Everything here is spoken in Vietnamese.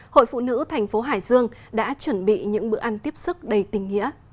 hội phụ nữ tp hải dương đã chuẩn bị những bữa ăn tiếp sức đầy tình nghĩa